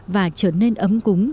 và trở nên ấm cúng